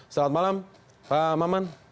selamat malam pak maman